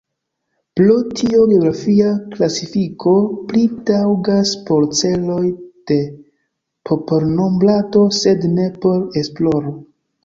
Pro tio geografia klasifiko pli taŭgas por celoj de popolnombrado, sed ne por esploro.